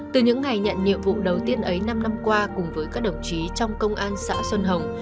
từ những ngày nhận nhiệm vụ đầu tiên ấy năm năm qua cùng với các đồng chí trong công an xã xuân hồng